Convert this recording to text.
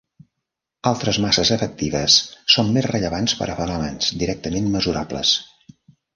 Altres masses efectives són més rellevants per a fenòmens directament mesurables.